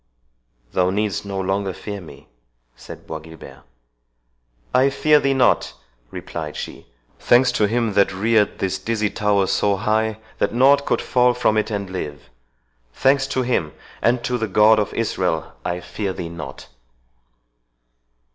"Thou needst no longer fear me," said Bois Guilbert. "I fear thee not," replied she; "thanks to him that reared this dizzy tower so high, that nought could fall from it and live—thanks to him, and to the God of Israel!—I fear thee not."